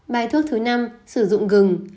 bài thuốc thứ năm sử dụng gừng